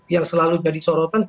yang selalu jadi sorotan